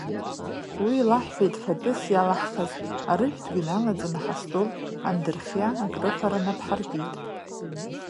Уи илаҳҳәеит фатәыс иалаҳхыз, арыжәтәгьы налаҵаны ҳастол андырхиа, акрыфара напаҳаркит.